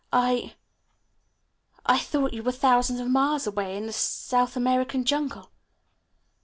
"I I thought you were thousands of miles away in a South American jungle."